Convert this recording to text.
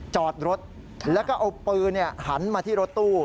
จอดรถแล้วก็เอาปืนหันมาที่รถตู้